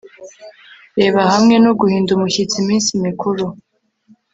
Reba hamwe no guhinda umushyitsi iminsi mikuru